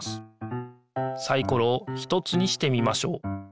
サイコロを１つにしてみましょう。